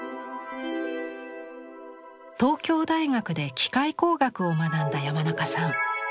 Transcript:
東京大学で機械工学を学んだ山中さん。